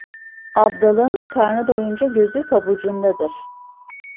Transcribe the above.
Abdalın karnı doyunca gözü pabucundadır.